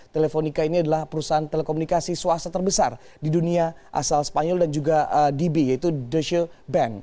telefonica ini adalah perusahaan telekomunikasi suasana terbesar di dunia asal spanyol dan juga db yaitu deutsche bank